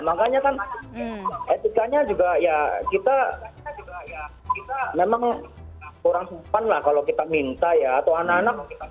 makanya kan etikanya juga ya kita memang orang sumpah lah kalau kita minta ya atau anak anak